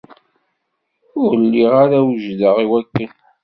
Ur lliɣ ara wejdeɣ i wakken.